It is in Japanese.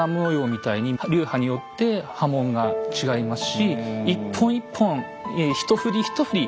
みたいに流派によって刃文が違いますし一本一本一振り一振り